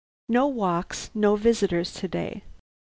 No walks, no visitors to day.